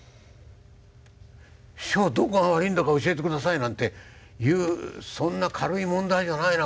「師匠どこが悪いんだか教えて下さい」なんていうそんな軽い問題じゃないな